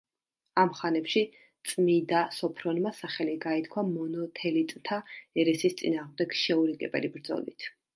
ამ ხანებში წმიდა სოფრონმა სახელი გაითქვა მონოთელიტთა ერესის წინააღმდეგ შეურიგებელი ბრძოლით.